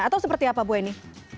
atau seperti apa bu eni